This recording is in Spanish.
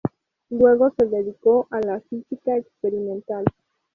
Luego se dedicó a la física experimental.